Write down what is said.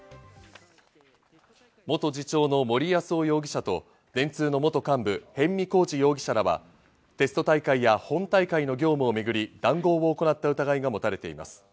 元次長の森泰夫容疑者と、電通の元幹部・逸見晃治容疑者らは、テスト大会や本大会の業務をめぐり、談合を行った疑いが持たれています。